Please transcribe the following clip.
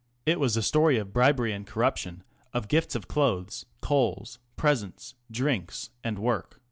It was a story of bribery and corruption, of gifts of clothes, coals, presents, drinks, and work.